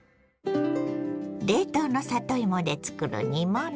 冷凍の里芋で作る煮物。